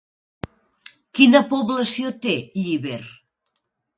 Quina població té Llíber?